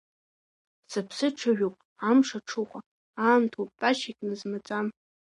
Сыԥсы ҽыжәуп амш аҽыхәа, аамҭоуп, тәашьак назмаӡам.